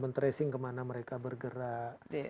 men tracing kemana mereka bergerak